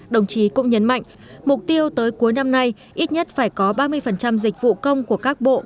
đồng chí cũng nhấn mạnh mục tiêu tới cuối năm nay ít nhất phải có ba mươi dịch vụ công của các bộ